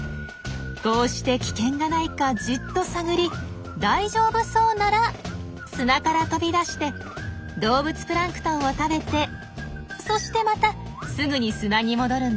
こうして危険がないかじっと探り大丈夫そうなら砂から飛び出して動物プランクトンを食べてそしてまたすぐに砂に戻るんです。